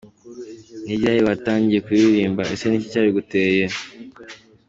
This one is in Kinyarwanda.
com : Ni ryari watangiye kuririmba, ese niki cyabiguteye ?.